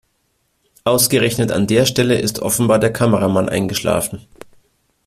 Ausgerechnet an der Stelle ist offenbar der Kameramann eingeschlafen.